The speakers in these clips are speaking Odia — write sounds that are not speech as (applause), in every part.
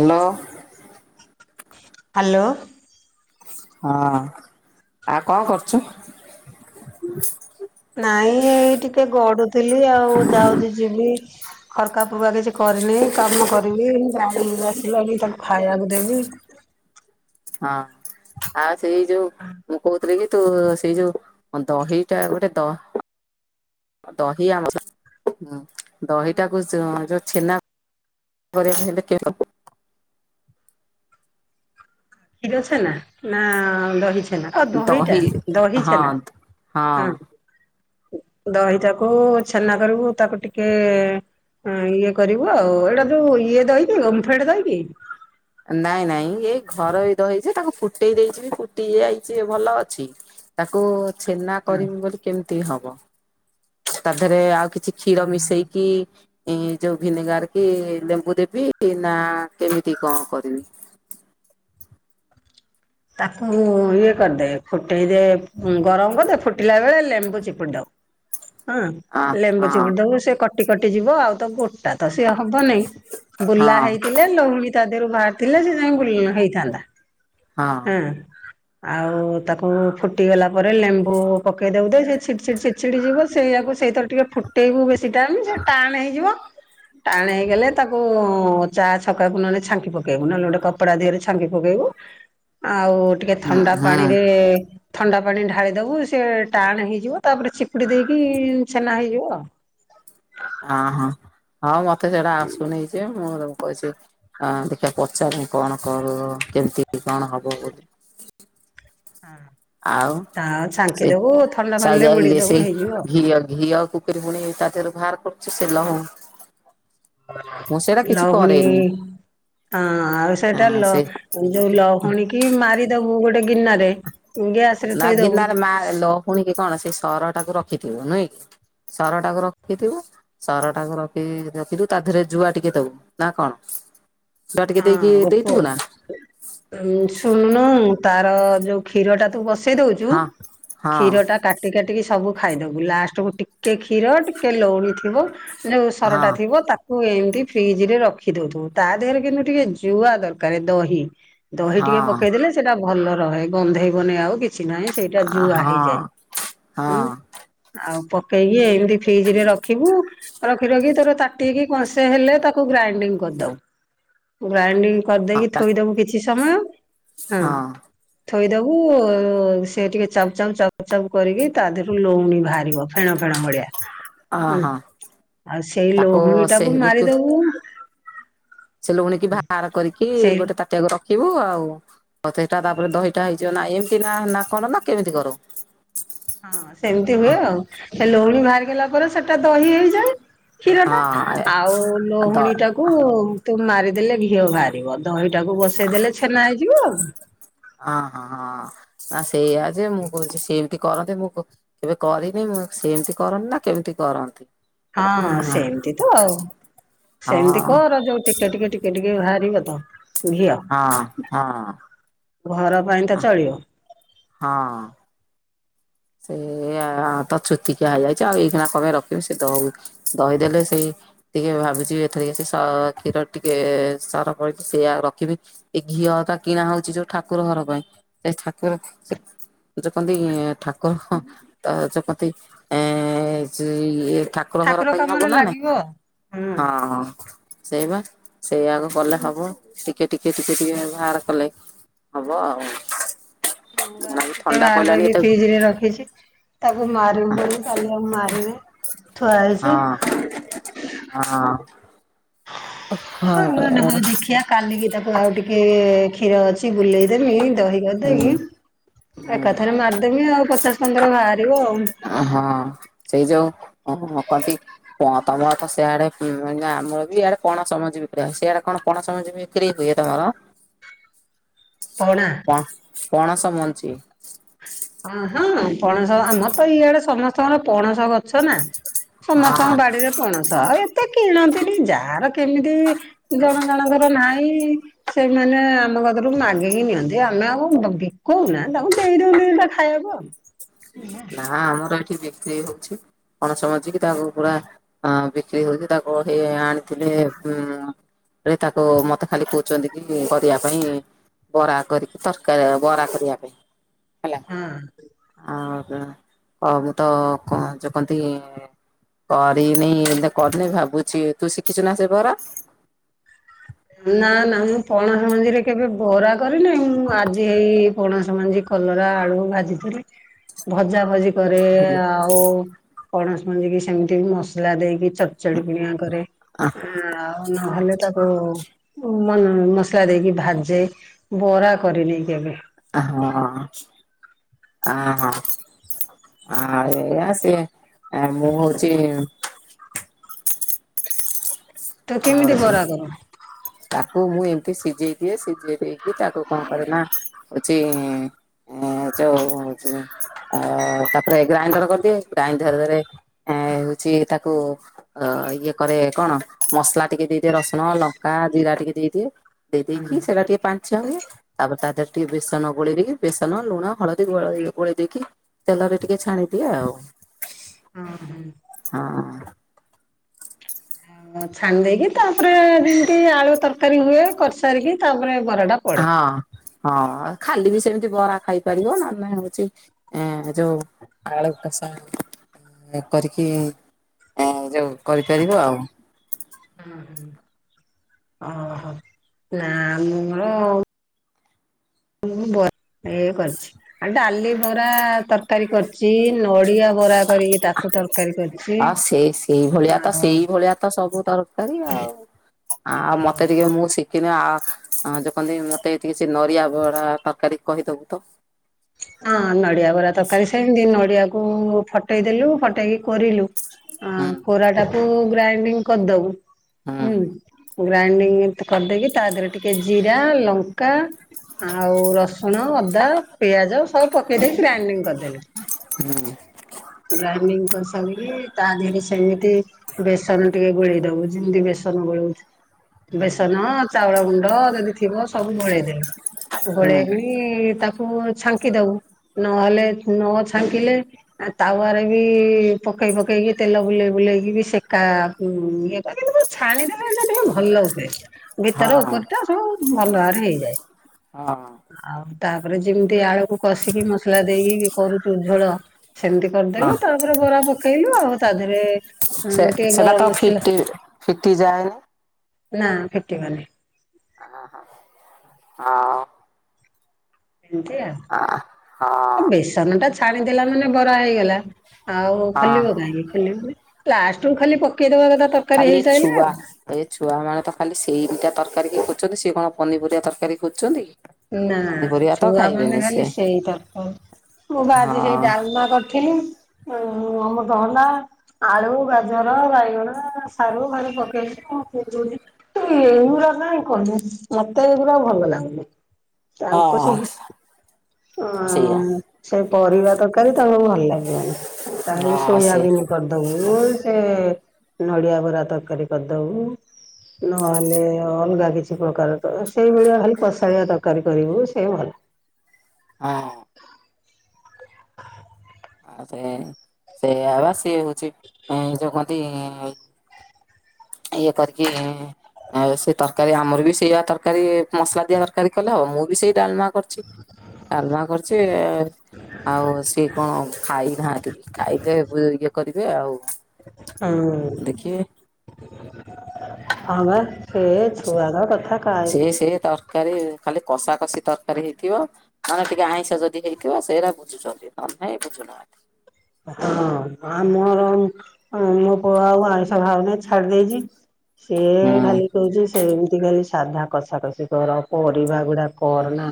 ହାଲୋ। ହ୍ୟାଲୋ। ହଁ ଆଉ କଣ କରୁଚ? ନାଇଁ ଏଇ ଟିକେ ଗଡୁଥିଲି ଆଉ ଯାଉଛି ଯିବି ଖରକା ଫୁର୍କା କା କିଛି କରିନି କାମ କରିବି ଗାଈ ଆସିଲାଣି ତାକୁ ଖାଇବାକୁ ଦେବି। ହଁ ଆଉ ସେଇ ଯୋଉ ମୁଁ କହୁଥିଲି କି ତୁ ସେଇ ଯୋଉ ଦହିଟା ଗୋଟେ ଦ ଦହି ଆମ ହୁଁ ଦହିଟାକୁ ଚୁ ଯ ଛେନା (unintelligible) କ୍ଷୀର ଛେନା ନା ଦହି ଛେ ନା ଓ ଦହିଟା ଦହି ଦହି ହଁ ଛେନା ହଁ। ଦହିଟାକୁ ଛେନା କରିବୁ ତାକୁ ଟିକେ ହୁଁ ଇଏ କରିବୁ ଆଉ ଏଇଟା ଯୋ ଇଏ ଦହି କି ଓମଫେଡ ଦହି କି? ନାଇଁ ନାଇଁ ଏଇ ଘରଇ ଦହି ଯେ ତାକୁ ଫୁଟେଇ ଦେଇଚି ବି ଫୁଟି ଯାଇଚି ଭଲ ଅଛି। ତାକୁ ଛେନା କରିବୁ ବୋଲି କେମିତି ହବ ତା ଦେହରେ ଆଉ କିଛି କିଛି କ୍ଷୀର ମିଶେଇକି ଏ ଯୋଉ ଭିନେଗାର କି ଲେମ୍ବୁ ଦେବି ନା କେମିତି? କଣ କରିବି? ତାକୁ ଇଏ କରିଦେ ଫୁଟେଇଦେ ଉଁ ଗରମ କରିଦେ ଫୁଟିଲା ବେଳେ ଲେମ୍ବୁ ଚିପୁଡି ଦବୁ। ହ ହଁ ଲେମ୍ବୁ ଚିପୁଡି ଦବୁ ସେ କଟି କଟି ଯିବ ଆଉ ତ ଗୋଟା ତ ସେ ସେ ହବନେଇ ବୁଲା ହଁ ହେଇଥିଲେ ଲୋହୁଣୀ ତା ଦେହରୁ ବାହାରଥିଲେ ସେ ଯାଇ ବୁଲ ହେଇଥାନ୍ତା। ହଁ ହୁଁ। ଆଉ ତାକୁ ଫୁଟିଗଲା ପରେ ଲେମ୍ବୁ ପକେଇ ଦବୁ ଦେ ସେ ଛିଡି ଛିଡି ଛିଡି ଛିଡି ଯିବ ସେଇଆକୁ ସେଇଥିରେ ଟିକେ ଫୁଟେଇବୁ ବେଶୀ ଟାଇମ ସେ ଟାଣ ହେଇଯିବ ଟାଣେ ହେଇଗଲେ ତାକୁ ଚା ଛକାକୁ ନହେଲେ ଛାଙ୍କି ପକେଇବୁ ନହେଲେ ଗୋଟେ କପଡା ଦେହରେ ଛାଙ୍କି ପକେଇବୁ ଆଉ ଟିକେ ହୁଁ ଥଣ୍ଡା ହୁଁ ପାଣିରେ ଥଣ୍ଡା ପାଣି ଢାଳିଦବୁ ସେ ଟାଣେ ହେଇଯିବ ତାପରେ ଚିପୁଡ଼ି ଦେଇକି ଛେନା ହେଇଯିବ ଆଉ। ଅ ହଁ ହଉ ମତେ ସେଟା ଆସୁନ ନେଇ ଯେ ମୁଁ ବାଇଚି ଅଁ ଦେଖିବା ପଚାରେ କଣ କର କେମିତି କଣ ହବ ବୋଲି ଆଉ ତା ସେ ଛାଙ୍କିଦବୁ ଥଣ୍ଡା ପାଣିରେ ସାରିଆ ଇଏ ବୁଡେଇଦବୁ ସେଇ ହେଇଯିବ ଆଉ ଘିଅ ଘିଅ କୁ କେବେ ପୁଣି ତା ଦେହରୁ ବାହାର କରଚୁ ସେ ଲହୁ ମୁଁ ସେଇଟା କିଛି ଲହୁଣି କରେନି। ହଁ ଆଉ ସେଟା ଆଁ ଲ ସେ ଯୋଉ ଲହୁଣୀ କି ମାରିଦବୁ ଗୋଟେ ଗିନାରେ ଗ୍ୟାସ ରେ ନା ଥୋଇଦବୁ ଗିନାରେ ମା ଲହୁଣୀ କି କଣ ସେ ସର ଟାକୁ ରଖିଥିବ ନୁହେଁ କି ସର ଟାକୁ ରଖିଥିବୁ ସର ଟାକୁ ରଖି ରଖିଦୁ ତା ଦେହରେ ଜୁଆ ଟିକେ ଦବୁ ନା କଣ? (inaudible) ହଁ ଦେଇକି ଗୋପ ଦେଇଥିବୁ ନା ଉଁ ଶୁଣୁନୁ ତାର ଯୋଉ କ୍ଷୀର ଟା ତୁ ବସେଇ ଦଉଚୁ, ହଁ ହଁ କ୍ଷୀର ଟା କାଟି କାଟିକି ସବୁ ଖାଇଦବୁ। ଲାଷ୍ଟ କୁ ଟିକେ କ୍ଷୀର ଟିକେ ଲହୁଣୀ ଥିବ ହଁ ସରଟା ଥିବ ତା କୁ ଏମିତି ଫ୍ରିଜ ରେ ରଖି ଦଉଥିବୁ। ତା ଦେହରେ କିନ୍ତୁ ଟିକେ ଜୁଆ ଦରକାର ଦହି ଦହି ହଁ ଟିକେ ପକେଇଦେଲେ ସେଇଟା ଭଲ ରହେ। ଗନ୍ଧେଇବନି ଆଉ କି କିଛି ନାହିଁ। ସେଇଟା ଜୁଆ ହଁ ହଁ ହେଇଯାଏ। ହୁଁ ଆଉ ପକେଇକି ଏମିତି ଫ୍ରିଜ ରେ ରଖିବୁ। ରଖି ରଖି ତୋର ତାଟିଏ କି କଂସେ ହେଲେ ତାକୁ ଗ୍ରାଇଣ୍ଡିଙ୍ଗ କରିଦବୁ। ଗ୍ରାଇଣ୍ଡିଙ୍ଗ କରିଦେଇକି ଥୋଇଦବୁ କିଛି ସମୟ ହଁ। ଥୋଇଦବୁ। ସେ ଟିକେ ଚାବୁ ଚାବୁ ଚାବୁ ଚାବୁ କରିକି ତା ଦେହରୁ ଲହୁଣି ବାହାରିବ। ଫେଣ ଫେଣ ଫେଣ ଭଳିଆ। ଓହୋ ଆଉ ସେଇ ତାକୁ ଲହୁଣୀ ଟାକୁ ମାରିଦବୁ ସେ ଲହୁଣୀ କୁ ବାହାର କରିକି ସେଇ ଗୋଟେ ତାଟିଆକୁ ରଖିବୁ। ଆଉ ତେ ତା ତାପରେ ଦହିଟା ହଁ ହେଇଯିବ ନା। ଏମିତି ନା ନା କଣ ନା କେମିତି କରୁ? ହଁ ସେମିତି ହୁଏ ଆଉ। ସେ ଲହୁଣୀ ବାହାରିଗଲା ପରେ ସେଟା ଦହି ହେଇଯାଏ। କ୍ଷୀର ଟା। ହଁ ଆଉ ଦ ଲହୁଣୀ ଟାକୁ ତୁ ମାରିଦେଲେ ଘିଅ ବାହାରିବ। ଦହି ଟାକୁ ବସେଇଦେଲେ ଛେନା ହେଇଯିବ ଆଉ। ଆ ସେଇଆ ଯେ ମୁଁ କହୁଛି ସି କରନ୍ତି। ମୁଁ କେବେ କରିନି ମୁଁ ସେମିତି କରନ୍ତି ନା କେମିତି କରନ୍ତି। ହଁ ସେମିତି ତ ଆଉ। ହଁ ସେମିତି କର ଯୋଉ ଟିକେ ଟିକେ ଟିକେ ଟିକେ ବାହାରିବ ତ ଘିଅ ହଁ ହଁ। ଘର ପାଇଁ ତ ଚଳିବ। ହଁ। ଆ ତ ଛୁତି (unintelligible) ହୋଇଯାଇଛି ଆଉ। ଏଇ ଣିକା କଣପେଇ ରଖିବି ସେ ଦ ଦହିଦେଲେ ସେଇ ଟିକେ ଭାବୁଛି ଏଥୀରେ କିଛି ସ କ୍ଷୀର ଟିକେ ସର ପଡିଚି ସେଇଆ କୁ ରଖିଦେବି। ଏଇ ଘିଅ ଟା କିଣା ହଉଛି ଯୋଉ ଠାକୁର ଘର ପାଇଁ ନାଇଁ ଠାକୁର ସେ ଯୋଉ କୁହନ୍ତି ଠାକୁ (unintelligible) ଠାକୁର ଘର ଠାକୁର ପାଇଁ ହବ କାମରେ ନା ନାଇଁ। ଲାଗିବ। ହୁଁ। ହଁ ସେଇ ପା ସେଇଆ କୁ କଲେ ହବ। ଟିକେ ଟିକେ ଟିକେ ଟିକେ ବାହାର କଲେ ହବ ଆଉ। ମୁଁ ବା ଟିକେ ଥଣ୍ଡା ବାହାର ପଡିଲାଣି ଏତେ କରିକି ଫ୍ରିଜରେ ରଖିଚି। ତାକୁ ମାରିବୁ ବୋଲି କାଲି ଆଉ ମାରିନି, ଥୁଆ ହେଇଚି। ହଁ ହଁ। ହଉ ଦେଖିଆ କାଲିକି ତାକୁ ଆଉ ଟିକେ କ୍ଷୀର ଅଛି ବୁଲେଇଦେବି ଦହି ହୁଁ କରିଦେଇକି ହୁଁ ଏକାଥରେ ମାରିଦେବି। ଆଉ ପଚାଶ ପନ୍ଦର ବାହାରିବ ଆଉ। ହଁ ସେଇ ଯୋଉଁ କହନ୍ତି ତମ ତ ସେଆଡେ ହୁଁ ଆମର ବି ଆଡେ ପଣସମଞ୍ଜି ବିକ୍ରି ଆସେ। ସେଇଆଡେ କଣ ପଣସମଞ୍ଜି ବିକ୍ରି ହୁଏ ତମର? ପଣା। ପଣ ପଣସମଞ୍ଜି। ହଁ ହଁ ପଣସ ଆମର ତ ଇଆଡେ ସମସ୍ତଙ୍କର ପଣସ ଗଛ ନା ହଁ ସମସ୍ତଙ୍କ ବାଡିରେ ପଣସ ଏତେ କିଣନ୍ତିନି। ଯାହାର କେମିତି ଜଣ ଜଣ ଙ୍କର ନାହିଁ, ସେମାନେ ଆମ ପାଖରୁ ମାଗି କି ନିଅନ୍ତି। ଆମେ ଆଉ ବିକୁଉ ନା, ତାଙ୍କୁ ଦେଇଦଉ ଦିଟା ଖାଇବାକୁ ଆଉ। ନା ଆମର ଏଠି ବିକ୍ରି ହଉଚି। ପଣସ ମଞ୍ଜି କି ତାକୁ ପୁରା ବିକ୍ରି ହଉଚି, ତାକୁ ହେଇ ଆଣିଥିଲେ ଉ ରେ ତାକୁ ମତେ ଖାଲି କହୁଛନ୍ତି କି କରିବା ପାଇଁ ବରା କରିକି ତରକାରୀ ବରା କରିବା ପାଇଁ ହେଲା। ଆଉ ହଁ। ଆ ହୁଁ ହଁ ମୁଁ ତ କଣ ଯୋଉ କହନ୍ତି କରିନି ଏବେ କରିନି ଭାବୁଛି ତୁ ଶିଖିଛୁ ନା ସେ ବରା? ନା ନା ମୁଁ ପଣସ ମଞ୍ଜିରେ କେବେ ବରା କରିନି ମୁଁ ଆଜି ଏଇ ପଣସ ମଞ୍ଜି କଲରା ଆଳୁ ଭାଜିଥିଲି। ଭଜା ଭଜି କରେ ଆଉ ପଣସ ମଞ୍ଜିିକି ସେମିତି ବି ମସଲା ଦେଇକି ଚଡଚଡି ବିଣିଆ କରେ। ଆଉ ନହେଲେ ତାକୁ ଉ ମ-ମସଲା ଦେଇକି ଭାଜେ। ବରା କରିନି କେବେ। ହଁ ଆଁ ହଁ। ଆଉ ଏଇଆ ସିଏ ଆ ମୁଁ ହଉଛି ତାକୁ କେମିତି ବରା କର? କୁ ମୁଁ ଏମିତି ସିଜେଇ ଦିଏ ସିଝେଇ ଦେଇକି ତାକୁ କଣ କରେ ନା ହଉଛି ଇଁ ଏଁ ଯୋଉ ହଉଛି ତାପରେ ଗ୍ରାଇଣ୍ଡର କରିଦିଏ। ଗ୍ରାଇଣ୍ଡରରେ ଏଁ ହଉଛି ତାକୁ ଅ ଇଏ କରେ। ଏ କଣ? ମସଲା ଟିକେ ଦେଇଦିଏ ରସୁଣ, ଲଙ୍କା, ଜିରା ଟିକେ ଦେଇଦିଏ ଦେଇ ହଁ ଦେଇକି ସେଇଟା ଟିକେ ପାଣଚିଆ ହୁଏ। ତାପରେ ତା ଦେହରେ ଟିକେ ବେସନ ଗୋଳେଇ ଦେଇକି ବେସନ, ଲୁଣ, ହଳଦୀ ଗୋଳଇ ଗୋଳେଇ ଦେଇକି ତେଲରେ ଟିକେ ଛାଣି ଦିଏ ଆଉ। ଅ ହୁଁ। ହଁ ଆଉ ଛାଣି ଦେଇକି ତାପରେ ଯେମିତି ଆଳୁ ତରକାରୀ ହୁଏ କରସାରିକି ତାପରେ ବରାଟା ପଡେ। ହଁ। ହଁ ଖାଲି ବି ସେମିତି ବରା ଖାଇପାରିବ ନହେଲେ ନାଇଁ ହଉଚି ଏଁ ଯୋଉ ଆଳୁ କଷା। ହଁ କରିକି ଆଉ ଯୋଉ କରିପାରିବୁ ଆଉ। ହୁଁ ହୁଁ ଅହୋ ନା ମୁଁ ମୋର ମୁଁ ବ ଏଇ ଏଇ କରିଛି। ଆଉ ଡାଲି ବରା ତରକାରୀ କରଚି ନଡ଼ିଆ ଆ ଆଉ ସେଇ ସେଇ ଭଳିଆ ତ ଆଉ ସେଇ ଭଳିଆ ତ ସବୁ ତରକାରୀ ଆ ଆଉ ମତେ ଟିକେ ମୁଁ ଶିଖିନି ଆ ହଁ ଯୋଉ କହନ୍ତି ମତେ ଟିକେ ସେ ନଡିଆ ବରା ତରକାରୀ କହିଦବୁ ତ। ହଁ ନଡିଆ ବରା ତରକାରୀ ସେମିତି ନଡିଆକୁ ଫଟେଇ ଦେଲୁ ଫଟେଇ କରିଲୁ ଆଉ ହୁଁ କୋରାଟାକୁ ଗ୍ରାଇଣ୍ଡିଂ କରଦବୁ। ହୁଁ। ଗ୍ରାଇଣ୍ଡିଙ୍ଗ କରଦେଇକି ତା ଦେହରେ ଟିକେ ଜିରା, ଲଙ୍କା ଆଉ ରସ ସୁଣ, ଅଦା, ପିଆଜ ସବୁ ପକେଇ ଦେଇ ଗ୍ରାଇଣ୍ଡିଙ୍ଗ କରଦେଲି। ହୁଁ ଗ୍ରାଇଣ୍ଡିଙ୍ଗ କରି ସାରିକି ତା ଦିହେରେ ସେମିତି ବେସନ ଟିକେ ଗୋଳେଇ ଦବୁ ଯେମତି ବେସ ସବୁ ଗୋଳଉ ବେସନ, ଚାଉଳ ଗୁଣ୍ଡ ଯଦି ଥିବ ସବୁ ଗୋଳେଇ ଦେଲୁ। ହୁଁ ଗୋଳେଇ କିଣି ତା କୁ ଛାଙ୍କି ଦବୁ ନହେଲେ ନ ଛାଙ୍କିଲେ ଅଁ ତାୱାରେ ବି ପକେଇ ପକେଇକି ତେଲ ବୁଲେଇ ବୁଲେଇକି ବି ସେକା ଉଁ ଇଏ କରି (unintelligible) ଛାଣିଦେଲେ ଏଇଟା ଟିକେ ଭଲ ହୁଏ। ହଁ ଭିତର ହଁ। ଉପରେ ଟା ସବୁ ଭଲ ଭାବରେ ହେଇଯାଏ। ହଁ। ଆଉ ତାପରେ ଯେମିତି ଆଳୁକୁ କଷିକି ମସଲା ଦେଇକି କରୁଚୁ ଝୋଳ। ସେମତି କରିଦେଲୁ ହଁ ତାପରେ ବରା ପକେଇଲୁ ଆଉ ତା ଦେହେରେ ସେ ସେଇଟା ତ ଫିଟି ଫିଟି ଯାଏନି? ନା ଫିଟିବନି। ଅହୋ ଆଉ। ଏମତି ଆଉ ଆଉ ବେସନ ଟା ଛାଣିଦେଲା ମାନେ ବରା ହେଇଗଲା। ଆଉ ହଁ। ଖୋଲିବ କାହିଁକି ଖୋଲିବନି ଲାଷ୍ଟକୁ ଖାଲି ପ ଆଉ ଇଏ ଛୁଆ ଏ ଛୁଆ ମାନେ ତ ଖାଲି ସେଇମିତିଆ ତର କାରୀ କୁ ଖୋଜୁଛନ୍ତି ସିଏ କଣ ପନିପରିବା ତରକାରୀ ଖୋଜୁଛନ୍ତି କି। ନା ପନିପରିବା ତ ଛୁଆ ମାନେ ଖାଇବେନି ସେ ଖାଲି ସେଇ ତରକାରୀ। ମୁଁ ବା ହଁ ଆଜି ସେଇ ଡାଲମା କରିଥିଲି। ଉ ଆମର ତ ହେଲା ଆଳୁ ଗାଜର ବାଇଗଣ ସାରୁ ଭାର ପକେଇଛି ଏଇଗୁରା କାଇଁ କଲୁ ମତେ ଏଇଗୁଡା ଭଲ ଲାଗୁନି। ତାଙ୍କୁ ସେହି ହଁ ସେଇଆ ହ ସେଇ ପରିବା ତରକାରୀ ତାଙ୍କୁ ଭଲ ଲାଗିବନି। ତାହେଲେ ହଁ ସେ ସୋୟାଵିନ୍ କରିଦବୁ ସେ ନଡିଆ ବରା ତରକାରୀ କରିଦବୁ ନହେଲେ ଅଲଗା କିଛି ପ୍ରକାର ତ ସେଇଭଳିଆ ଖାଲି କଷାଳିଆ ତାକୁ ତରକାରୀ କରିବୁ ସେ ଭଲ (inaudible) ହଁ। (inaudible) ଆ ସେ ସେ ଆ ସିଏ ହଉଛି ଏ ଯୋଉ କନ୍ତି ଇଏ କରକି ଆଉ ସେ ତରକାରୀ ଆମର ବି ସେଇଆ ତରକାରୀ ମସଲା ଦିଆ ତରକାରୀ କଲେ ଆଉ ମୁଁ ବି ସେଇ ଡାଲମା କରିଥିଲି। ତାଲମା କରଛି ଆଉ ସିଏ କଣ ଖାଇନାହାନ୍ତି ଖାଇବେ ଇଏ କରିବେ ଆଉ ହଁ ଦେଖିବେ ଆ ବା। ଆସ ସେଛୁଆ କଥା କା ସେ ସେ ତରକାରୀ ଖାଲି କଷା କଷି ତରକାରୀ ହେଇଥିବ ମାନେ ଟିକେ ଆଇଁଷ ଯଦି ହେଇଥିବ ସେଇଟା ବୁଝୁଛନ୍ତି ତମେଁ ବୁଝୁ (unintelligible) ହଁ ଆମର ମୋ ପୁଅ ଆଉ ଆଇଷ ଖାଉନି ଛାଡି ଦେଇଛି ସିଏ ଖାଲି ହଁ କହୁଛି ସେମିତି ଖାଲି ସାଧା କଷାକଷି କର ପରିବା ଏଗୁଡା କରନା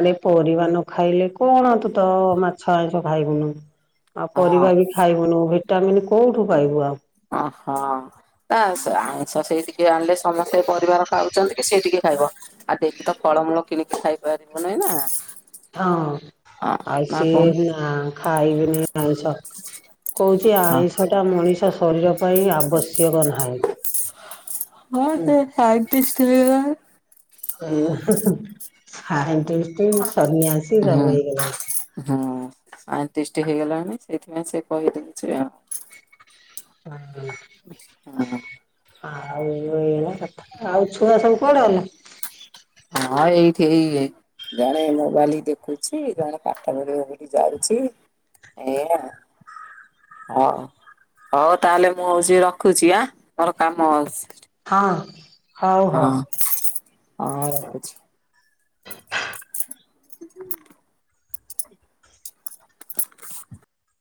ଆରେ ପରିବା ନ ଖାଇଲେ କଣ ତୁ ତ ମାଛ ଆଇଷ ଖାଇବୁନୁ ଆଉ ପରିବା ବି ଖାଇବୁନୁ ଭିଟାମିିନ କୋଉଠୁ ପାଇବୁ ଆଉ? ଓହଁ ତା ସେ ଆଇଁଷ ସେଇଠିକ ଟିକେ ଆଣିଲେ ସମସ୍ତେ ପରିବାର ଖାଉଛନ୍ତି, କି ସେି ଟିକେ ଖାଇବ ଆଉ ଦେଇକି ତ ଫଳମୂଳ କିଣିକି ଖାଇପାରିବୁନହିଁ (inaudible) ହଁ ଆଉ ସିଏ ନା ଖାଇବେନି ଆଇଷ କହୁଛି ହଁ ଆଇଁଷ ଟା ମଣିଷ ଶରୀର ପାଇଁ ଆବଶ୍ୟକ ହଁ ନାହିଁ ସେ ସାଇଣ୍ଟିଷ୍ଟ ହେଇଗଲାଣି। ସାଇଣ୍ଟିଷ୍ଟ ସନ୍ନ୍ୟାସୀ ସବୁ ହେଇଗଲାଣି ଆର୍ଟିଷ୍ଟ ହେଇଗଲାଣି ସେଇଥିପାଇଁ ସେ କହିଦେଉଛି ଆଉ। ହଁ। ହଁ। ଆଉ ଉ ଛୁଆ ସବୁ କୁଆଡେ ଗଲା? ହଁ ଏଇଠି ଏଇ ଜଣେ ମୋବାଲି ଦେଖୁଛି, ଜଣେ ପାଠ ପଢ଼ିବ ବୋଲି ଯାଉଛି ଏ ହଉ ହଉ ତାହେଲେ ମୁଁ ହଉଛି, ରଖୁଛି ହାଁ ମୋର କାମ ହଁ। ହଉ ହଉ। ହଁ ହ ରଖୁଛି। (inaudible) (inaudible)